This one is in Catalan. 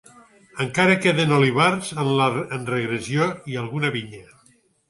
Encara queden olivars, en regressió, i alguna vinya.